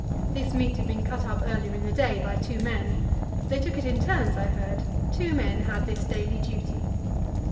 This meat had been cut up earlier in the day by two men. They took it in turns, I heard; two men had this duty daily.